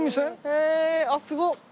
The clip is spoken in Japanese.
へえー！あっすごっ！